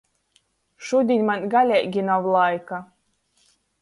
Šudiņ maņ galeigi nav laika.